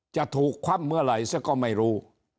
จะถูกคว่ำเมื่อไหร่ซะก็ไม่รู้